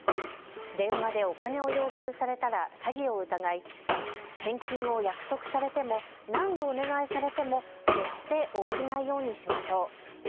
電話でお金を要求されたら詐欺を疑い返金を約束されても、何度お願いされても決して応じないようにしましょう。